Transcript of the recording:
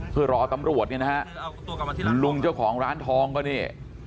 เพื่อรอตำรวจเนี่ยนะฮะคุณลุงเจ้าของร้านทองก็นี่